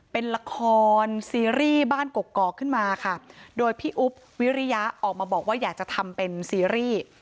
เป็นละครซีรีส์บ้านกกอกขึ้นมาค่ะโดยพี่อุ๊บวิริยะออกมาบอกว่าอยากจะทำเป็นซีรีส์